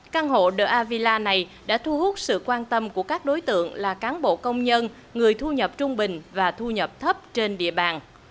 căn hộ the avila này đã thu hút sự quan tâm của các đối tượng là cán bộ công nhân người thu nhập trung bình và thu nhập thấp trên địa bàn